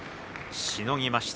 しのぎました。